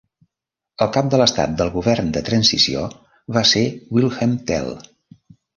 El cap d'Estat del govern de transició va ser Wilhelm Tell.